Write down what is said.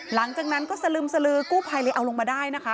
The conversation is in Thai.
หลังจากนั้นก็สลึมสลือกู้ภัยเลยเอาลงมาได้นะคะ